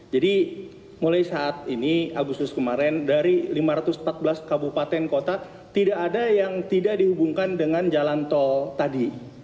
jadi mulai saat ini agusus kemarin dari lima ratus empat belas kabupaten kota tidak ada yang tidak dihubungkan dengan jalan tol tadi